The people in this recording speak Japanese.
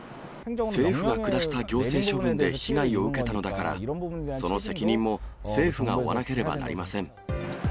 政府が下した行政処分で被害を受けたのだから、その責任も政府が負わなければなりません。